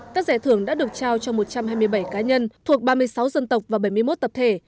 các giải thưởng đã được trao cho một trăm hai mươi bảy cá nhân thuộc ba mươi sáu dân tộc và bảy mươi một tập thể